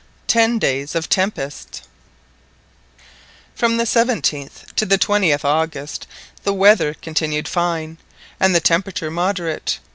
TEN DAYS OF TEMPEST From the 17th to the 20th August the weather continued fine, and the temperature moderate.